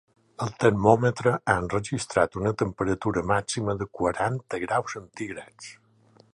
El termòmetre ha enregistrat una temperatura màxima de quaranta graus centígrads.